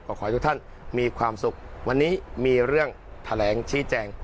ขอให้ทุกท่านมีความสุขวันนี้มีเรื่องแถลงชี้แจง